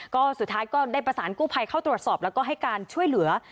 ก็สุดท้ายก็ได้ประสานกู้ภัยเข้าตรวจสอบแล้วก็ให้การช่วยเหลือ